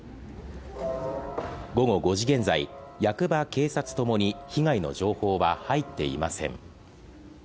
午後５時現在、役場・警察ともに被害の情報は入っていません。